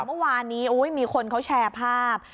เมื่อวานนี้มีคนเขาแชร์ภาพ